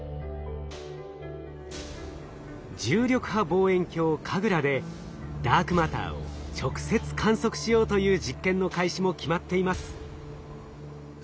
重力波望遠鏡ＫＡＧＲＡでダークマターを直接観測しようという実験の開始も決まっています。